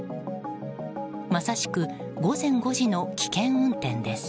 まさしく午前５時の危険運転です。